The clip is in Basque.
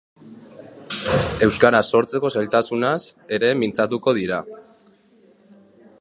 Euskaraz sortzeko zailtasunaz ere mintzatuko dira.